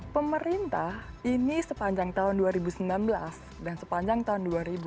pemerintah ini sepanjang tahun dua ribu sembilan belas dan sepanjang tahun dua ribu dua puluh